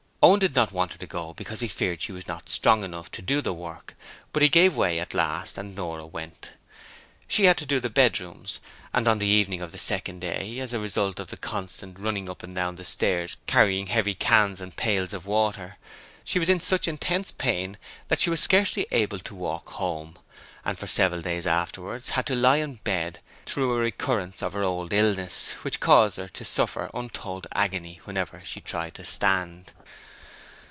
Owen did not want her to go because he feared she was not strong enough to do the work, but he gave way at last and Nora went. She had to do the bedrooms, and on the evening of the second day, as a result of the constant running up and down the stairs carrying heavy cans and pails of water, she was in such intense pain that she was scarcely able to walk home, and for several days afterwards had to lie in bed through a recurrence of her old illness, which caused her to suffer untold agony whenever she tried to stand.